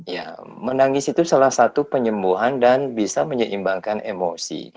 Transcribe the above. ya menangis itu salah satu penyembuhan dan bisa menyeimbangkan emosi